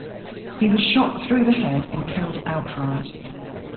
He was shot through the head and killed outright.